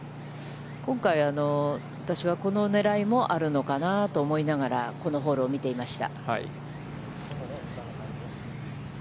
今回、私は、この狙いもあるのかなと思いながら、このホールを見ていました。